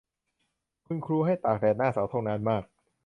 คุณครูให้ตากแดดหน้าเสาธงนานมาก